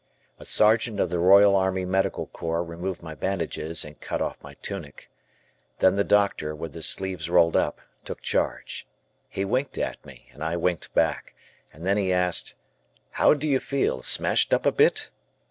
A Sergeant of the Royal Army Medical Corps removed my bandages and cut off my tunic. Then the doctor, with his sleeves rolled up, took charge. He winked at me and I winked back, and then he asked, "How do you feel, smashed up a bit?"